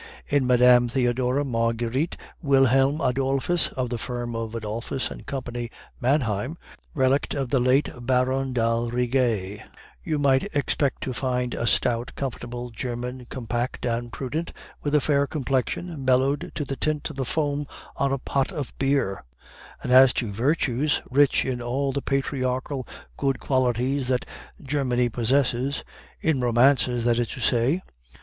In Madame Theodora Marguerite Wilhelmine Adolphus (of the firm of Adolphus and Company, Manheim), relict of the late Baron d'Aldrigger, you might expect to find a stout, comfortable German, compact and prudent, with a fair complexion mellowed to the tint of the foam on a pot of beer; and as to virtues, rich in all the patriarchal good qualities that Germany possesses in romances, that is to say.